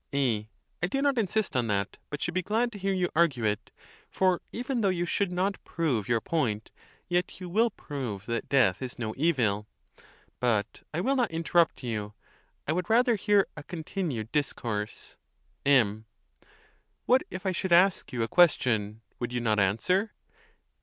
A. I do not insist on that, but should be glad to hear you argue it, for even though you should not prove your point, yet you will prove that death is no evil. But I will not interrupt you; I would rather hear a continued dis course. M. What, if I should ask you a question, would you not answer